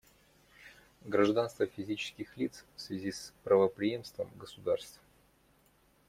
Гражданство физических лиц в связи с правопреемством государств.